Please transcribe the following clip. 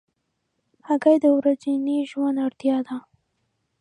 هګۍ د ورځني ژوند اړتیا ده.